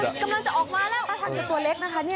ถ้าทักกับตัวเล็กนะคะเนี่ย